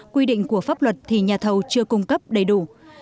quy định của pháp luật thì nhà thầu chưa cung cấp đầy đủ